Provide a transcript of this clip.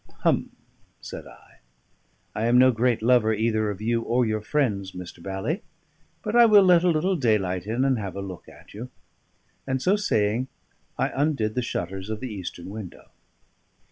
"Hum!" said I. "I am no great lover either of you or your friends, Mr. Bally. But I will let a little daylight in, and have a look at you." And so saying, I undid the shutters of the eastern window.